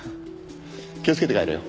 気をつけて帰れよ。